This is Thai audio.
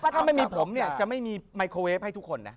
ถ้าไม่มีผมเนี่ยจะไม่มีไมโครเวฟให้ทุกคนนะ